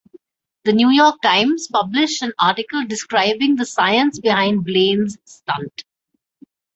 "The New York Times" published an article describing the science behind Blaine's stunt.